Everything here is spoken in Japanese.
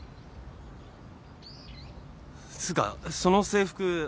つうかその制服高浜